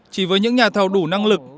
chỉ với những nhà thầu đủ năng lực